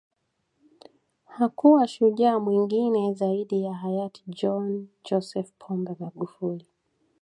Hakuwa shujaa mwingine zaidi ya hayati John Joseph Pombe Magufuli